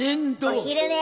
お昼寝。